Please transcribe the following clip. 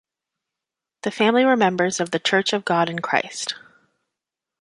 The family were members of the Church of God in Christ.